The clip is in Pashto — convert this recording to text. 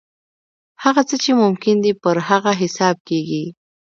هغه څه چې ممکن دي پر هغه حساب کېږي.